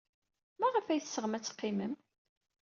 Maɣef ay teɣsem ad teqqimem?